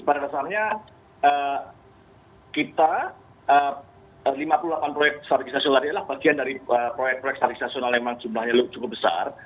pada dasarnya kita lima puluh delapan proyek strategis nasional ini adalah bagian dari proyek proyek strategis nasional memang jumlahnya cukup besar